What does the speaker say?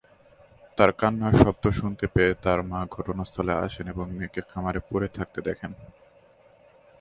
তার কান্নার শব্দ শুনতে পেয়ে তার মা ঘটনাস্থলে আসেন এবং মেয়েকে খামারে পড়ে থাকতে দেখেন।